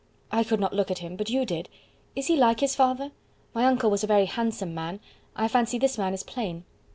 I could not look at him, but you did. Is he like his father? My uncle was a very handsome man; I fancy this man is plain."